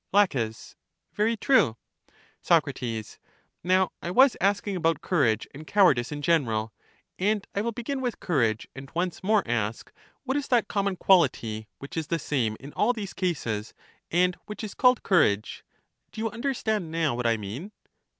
La, Very true. Soc. Now I was asking about courage and cow ardice in general. And I wiU begin with courage, and LACHES 105 once more ask, What is that common quahty, which is the same in all these cases, and which is called cour age? Do you understand now what I mean?